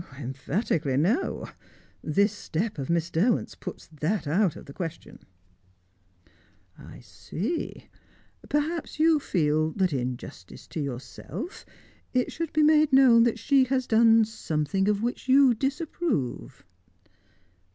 "Emphatically, no. This step of Miss Derwent's puts that out of the question." "I see Perhaps you feel that, in justice to yourself, it should be made known that she has done something of which you disapprove?"